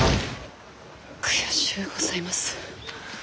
悔しゅうございます。